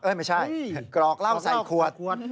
เอ๊ะไม่ใช่กรอกเล่าใส่ควด